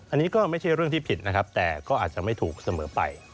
อันนี้ก็ไม่ใช่เรื่องที่ผิดนะครับแต่ก็อาจจะไม่ถูกเสมอไป